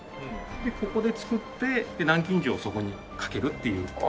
でここで作って南京錠をそこにかけるっていう。